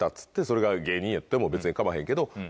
それが芸人やっても別にかまへんけど。